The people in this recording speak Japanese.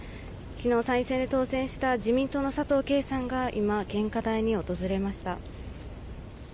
昨日、参院選で当選した自民党の佐藤啓さんが今、献花台に訪れました。